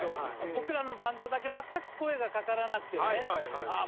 僕らのバンドだけ全く声がかからなくてねああ